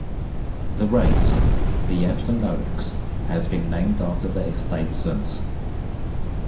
The race, the Epsom Oaks, has been named after the estate since.